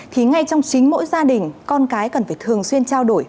thì ngay trong chính mỗi gia đình con cái cần phải thường xuyên trao đổi